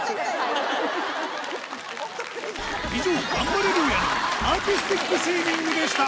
以上、ガンバレルーヤのアーティスティックスイミングでした。